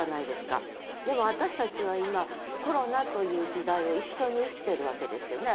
でも私たちは今コロナという時代を一緒に生きてるわけですよね。